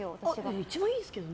一番いいですけどね。